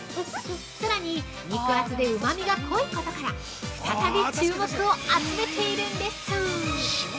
さらに、肉厚でうまみが濃いことから再び注目を集めているんです！